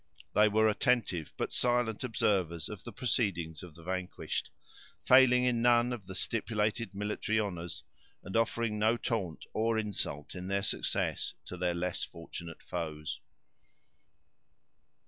They were attentive but silent observers of the proceedings of the vanquished, failing in none of the stipulated military honors, and offering no taunt or insult, in their success, to their less fortunate foes.